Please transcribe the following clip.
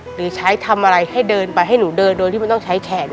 หรือใช้ทำอะไรให้เดินไปให้หนูเดินโดยที่มันต้องใช้แขน